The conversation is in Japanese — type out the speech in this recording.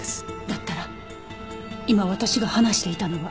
だったら今私が話していたのは？